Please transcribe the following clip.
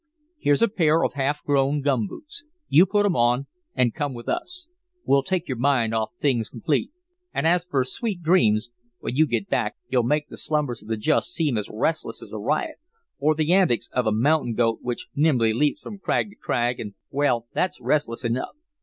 "Here's a pair of half grown gum boots. You put 'em on an' come with us. We'll take your mind off of things complete. An' as fer sweet dreams, when you get back you'll make the slumbers of the just seem as restless as a riot, or the antics of a mountain goat which nimbly leaps from crag to crag, and well, that's restless enough.